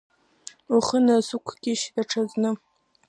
Ухы насықәкишь даҽазны!